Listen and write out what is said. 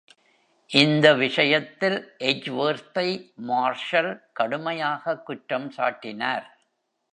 இந்த விஷயத்தில் எட்ஜ்வொர்த்தை மார்ஷல் கடுமையாக குற்றம் சாட்டினார்.